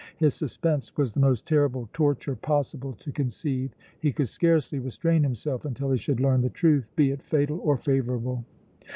His suspense was the most terrible torture possible to conceive. He could scarcely restrain himself until he should learn the truth, be it fatal or favorable.